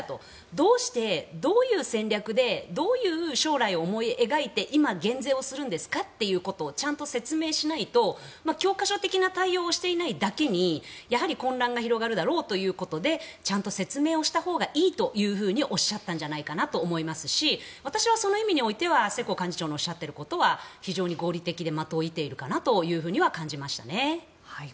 どうして、どういう戦略でどういう将来を思い描いて今、減税をするんですかということをちゃんと説明しないと教科書的な対応をしていないだけにやはり混乱が広がるだろうということでちゃんと説明をしたほうがいいとおっしゃったんじゃないかと思いますし私はその意味においては世耕幹事長のおっしゃることは非常に合理的で的を射ているかなと感じましたね。